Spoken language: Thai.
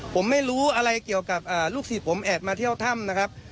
ผมไม่รู้อะไรเกี่ยวกับลูกศิษย์ผมแอบมาเที่ยวถ้ำนะครับ